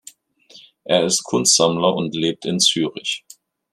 Er ist Kunstsammler und lebt in Zürich.